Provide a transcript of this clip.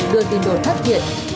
đưa tin đồn thất thiệt